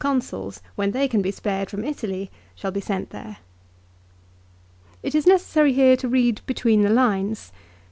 203 Consuls, when they can be spared from Italy, shall be sent there. It is necessary here to read between the lines.